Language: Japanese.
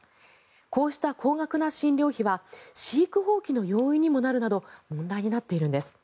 こうした高額な診療費は飼育放棄の要因にもなるなど問題になっているんです。